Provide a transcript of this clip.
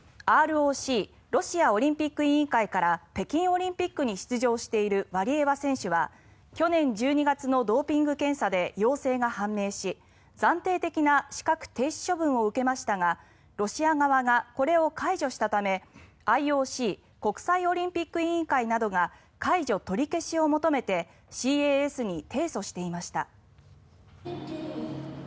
ＲＯＣ・ロシアオリンピック委員会から北京オリンピックに出場しているワリエワ選手は去年１２月のドーピング検査で陽性が判明し暫定的な資格停止処分を受けましたがロシア側がこれを解除したためＩＯＣ・国際オリンピック委員会などが解除取り消しを求めてＣＡＳに提訴していました。